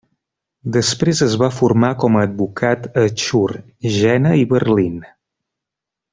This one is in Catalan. Després es va formar com a advocat a Chur, Jena, i Berlín.